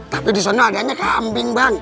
tapi disono adanya kambing bang